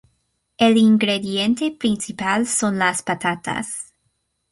El ingrediente principal son las patatas.